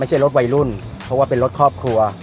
ไม่ใช่รถวัยรุ่นเพราะว่าเป็นรถครอบครัว